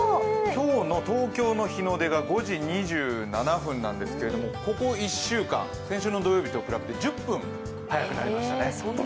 今日の東京の日の出が５時２７分なんですけれどもここ１週間、先週の土曜日と比べて１０分早くなりましたね。